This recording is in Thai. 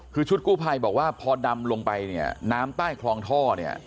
คือชุดกู้ภัยบอกว่าพอดำลงไปเนี่ยน้ำใต้คลองท่อเนี่ย